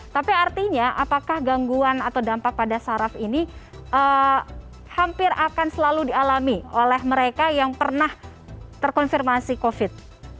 tapi artinya apakah gangguan atau dampak pada saraf ini hampir akan selalu dialami oleh mereka yang pernah terkonfirmasi covid